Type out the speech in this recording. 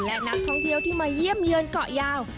และนักท่องเที่ยวที่มาเยี่ยมเยือนเกาะยาว